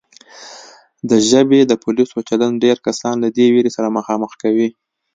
د ژبې د پولیسو چلند ډېر کسان له دې وېرې سره مخامخ کوي